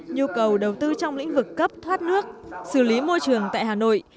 nhu cầu đầu tư trong lĩnh vực cấp thoát nước xử lý môi trường tại hà nội